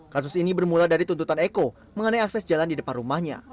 kasus ini bermula dari tuntutan eko mengenai akses jalan di depan rumahnya